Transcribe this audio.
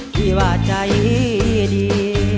พี่ว่าใจดี